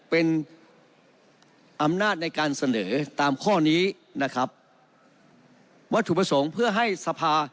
เป็นอำนาจในการเสนอตามข้อนี้นะครับวัตถุประสงค์เพื่อให้สภา